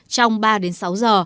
trong ba sáu giờ